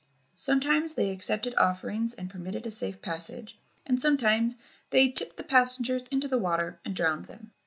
Sometimes they accepted offerings and permitted a safe passage, and sometimes they tipped the passengers into the water and drowned them.